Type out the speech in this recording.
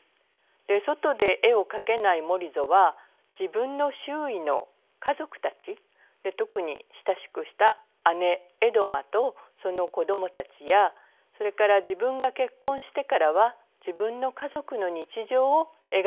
外で絵を描けないモリゾは自分の周囲の家族たち特に親しくした姉エドマとその子どもたちやそれから自分が結婚してからは自分の家族の日常を描くようになります。